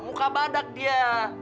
muka badak dia